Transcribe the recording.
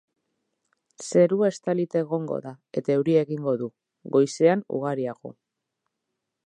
Zerua estalita egongo da eta euria egingo du, goizean ugariago.